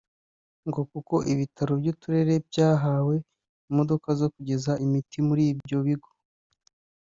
ngo kuko ibitaro by’uturere byahawe imodoka zo kugeza imiti muri ibyo bigo